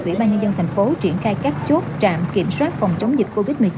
ủy ban nhân dân tp triển khai các chốt trạm kiểm soát phòng chống dịch covid một mươi chín